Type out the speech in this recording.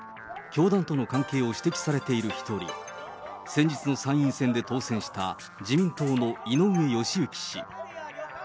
教団との関係を指摘されている１人、先日の参院選で当選した、自民党の井上義行氏。